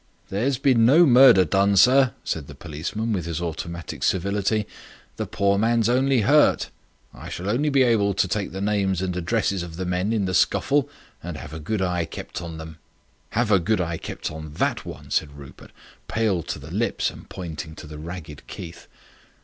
"There's been no murder done, sir," said the policeman, with his automatic civility. "The poor man's only hurt. I shall only be able to take the names and addresses of the men in the scuffle and have a good eye kept on them." "Have a good eye kept on that one," said Rupert, pale to the lips, and pointing to the ragged Keith.